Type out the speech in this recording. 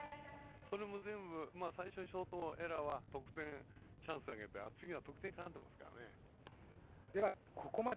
それも全部最初のショート、エラーは得点チャンスあげて、次は得点に絡んでますからね。